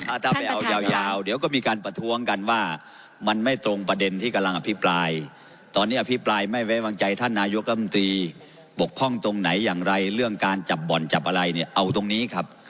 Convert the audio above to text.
ถ้าถ้าไปเอายาวยาวเดี๋ยวก็มีการประท้วงกันว่ามันไม่ตรงประเด็นที่กำลังอภิปรายตอนนี้อภิปรายไม่ไว้วางใจท่านนายกรรมตรีบกพร่องตรงไหนอย่างไรเรื่องการจับบ่อนจับอะไรเนี่ยเอาตรงนี้ครับ